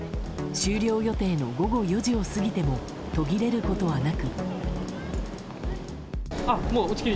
終了予定の午後４時を過ぎても途切れることはなく。